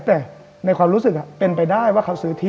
แต่ในความรู้สึกเป็นไปได้ว่าเขาซื้อที่